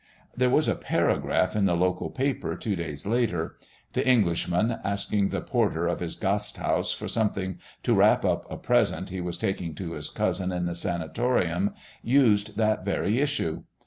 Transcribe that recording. There was a paragraph in the local paper two days later. The Englishman, asking the porter of his Gasthaus for something to wrap up a present he was taking to his cousin in the sanatorium, used that very issue.